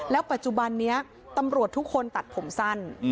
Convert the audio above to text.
ปัจจุบันนี้ตำรวจทุกคนตัดผมสั้น